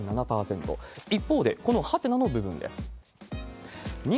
一方で、このはてなの部分です。